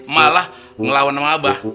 malah ngelawan sama abah